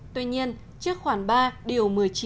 tuy nhiên trước khoảng ba điều một mươi chín